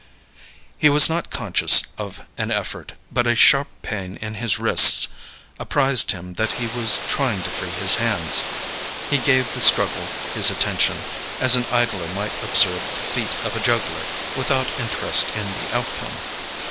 He was not conscious of an effort, but a sharp pain in his wrists apprised him that he was trying to free his hands. He gave the struggle his attention, as an idler might observe the feat of a juggler, without interest in the outcome.